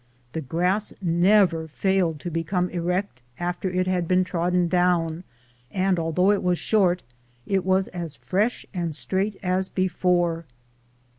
The grass never failed to become erect after it had been trodden down, and, although it was short, it was as fresh and straight as be fore.